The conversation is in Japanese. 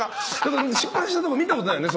失敗したとこ見たことないよね。